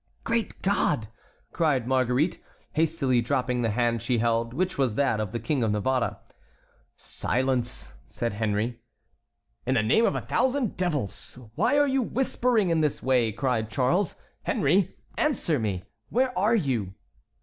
"Great God!" cried Marguerite, hastily dropping the hand she held, which was that of the King of Navarre. "Silence!" said Henry. "In the name of a thousand devils! why are you whispering in this way?" cried Charles. "Henry, answer me; where are you?"